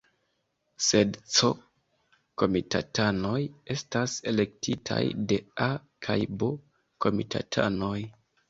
Sed C-komitatanoj estas elektitaj de A- kaj B-komitatanoj.